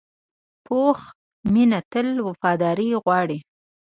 پوخ مینه تل وفاداري غواړي